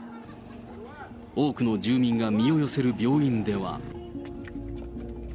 多くの住民が身を寄せる病院では。